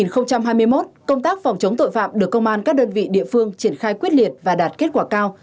năm hai nghìn hai mươi một công tác phòng chống tội phạm được công an các đơn vị địa phương triển khai quyết liệt và đạt kết quả cao